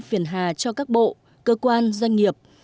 phiền hà cho các bộ cơ quan doanh nghiệp